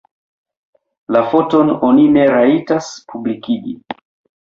La foton oni ne rajtas publikigi.